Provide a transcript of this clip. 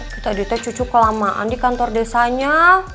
kita di teh cucu kelamaan di kantor desanya